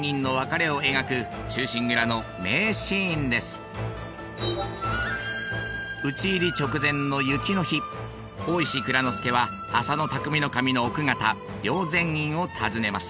続いては討ち入り直前の雪の日大石内蔵助は浅野内匠頭の奥方瑤泉院を訪ねます。